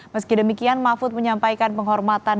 meski demikian mahfud menyampaikan penghormatan